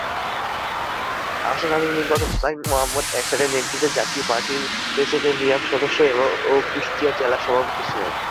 Ahsan Habib Lincoln Hussain Muhammad এরশাদের নেতৃত্বাধীন জাতীয় পার্টির প্রেসিডিয়াম সদস্য ও কুষ্টিয়া জেলা সভাপতি ছিলেন।